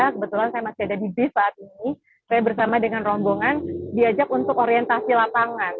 kebetulan saya masih ada di bis saat ini saya bersama dengan rombongan diajak untuk orientasi lapangan